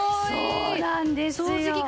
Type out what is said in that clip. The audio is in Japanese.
そうなんですよ。